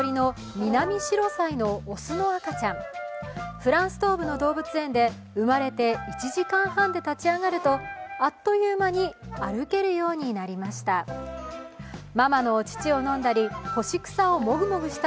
フランス東部の動物園で生まれて１時間半で立ち上がるとあっという間に歩けるようになりました。